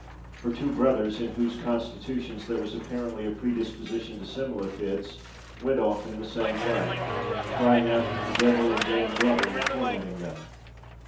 Her two brothers, in whose constitutions there was apparently a predisposition to similar fits, went off in the same way, crying out that the devil and Dame Glover were tormenting them.